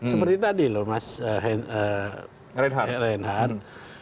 seperti tadi loh mas reinhardt